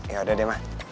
yaudah deh ma